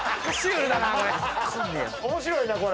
面白いなこれ。